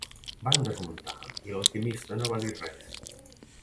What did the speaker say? Van desmuntar i l'alquimista no va dir res.